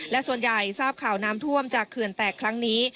และส่วนใหญ่ทราบข่าวน้ำท่วมจากเขื่อนแตกครั้งนี้